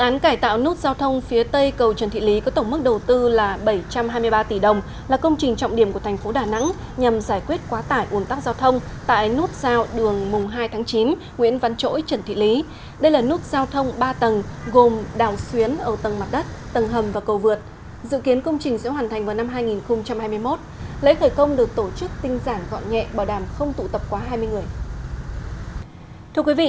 ngày hai mươi chín tháng hai thành phố đà nẵng đã khởi công công trình trọng điểm cải tạo nút giao thông phía tây cầu trần thị lý chương trình khởi công được tổ chức tinh giản gọn nhẹ bảo đảm phòng chống dịch covid một mươi chín